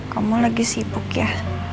kamu lagi sibuk ya